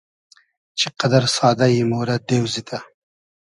چی قئدئر سادۂ یی ، مۉرۂ دېو زیدۂ